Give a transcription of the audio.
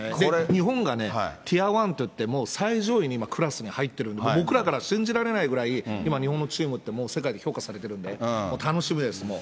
日本がね、っていってもう最上位にクラスに入ってるんで、僕らからは信じられないぐらいいま日本のチームって世界でもう評価されてるんで、楽しみです、もう。